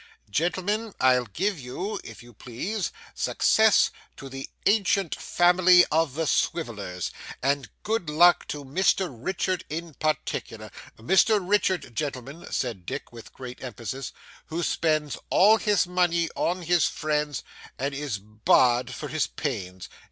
'Gentlemen, I'll give you, if you please, Success to the ancient family of the Swivellers, and good luck to Mr Richard in particular Mr Richard, gentlemen,' said Dick with great emphasis, 'who spends all his money on his friends and is Bah!'d for his pains.